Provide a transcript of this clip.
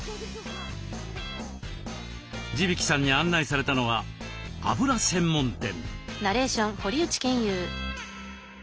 地曳さんに案内されたのはあぶら専門店。